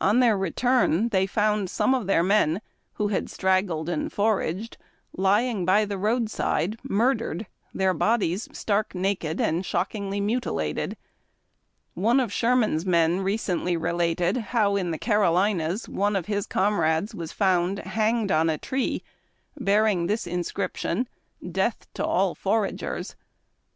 On their return, they found some of their men, who had straggled and foraged, lying by the roadside murdered, their bodies stark naked and shockingly mutilated. One of Sherman's men recently related how in the Carolinas one of his comrades was found hanged on a tree, bearing this inscription, " Death to all foragers."